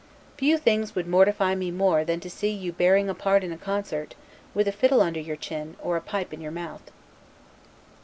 Few things would mortify me more, than to see you bearing a part in a concert, with a fiddle under your chin, or a pipe in your mouth.